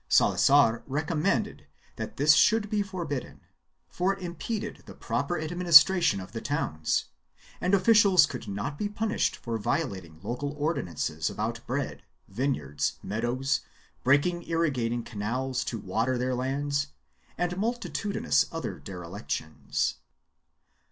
Salazar recommended that this should be forbidden, for it impeded the proper administration of the towns, and officials could not be punished for violating local ordinances about bread, vineyards, meadows, breaking irrigat ing canals to water their lands, and multitudinous other derelic tions.